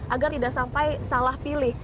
agar tidak sampai salah pilih